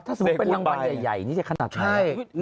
ถ้าสมมุติเป็นรางวัลใหญ่นี่จะขนาดไหน